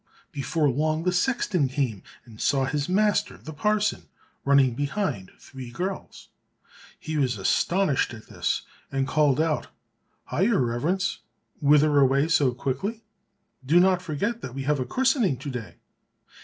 Before long the sexton came by and saw his master, the parson, running behind three girls. He was astonished at this and called out, "Hi, your reverence, whither away so quickly? do not forget that we have a christening to day!"